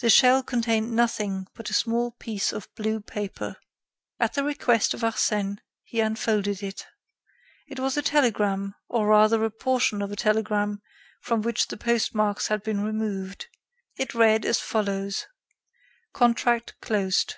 The shell contained nothing but a small piece of blue paper. At the request of Arsène he unfolded it. It was a telegram, or rather a portion of a telegram from which the post marks had been removed. It read as follows: "Contract closed.